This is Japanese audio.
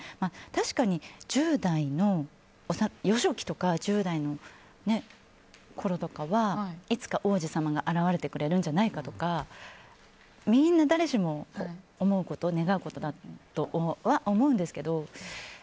確かに、幼少期や１０代のころとかはいつか王子様が現れてくれるんじゃないかとかみんな誰しも思うこと願うことだとは思うんですけど。